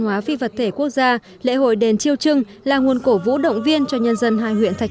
hóa phi vật thể quốc gia lễ hội đền chiêu trưng là nguồn cổ vũ động viên cho nhân dân hai huyện thạch